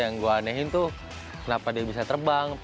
yang gue anehin tuh kenapa dia bisa terbang